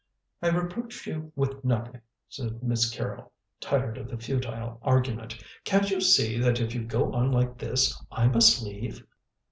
"I reproach you with nothing," said Miss Carrol, tired of the futile argument. "Can't you see that if you go on like this I must leave?"